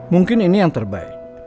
mungkin ini yang terbaik